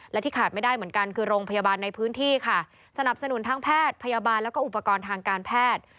และที่ขาดไม่ได้เหมือนกันคือโรงพยาบาลในพื้นที่ค่ะสนับสนุนทั้งแพทย์พยาบาลแล้วก็อุปกรณ์ทางการแพทย์